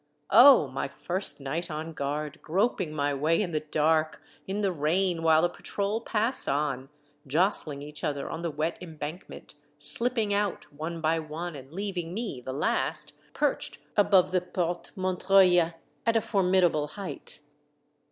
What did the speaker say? Oh ! my first night on guard, groping my way in the dark, in the rain, while the patrol passed on, jostling each other on the wet embankment, slip ping out one by one, and leaving me, the last, perched above the Porte Montreuil at a formidable height.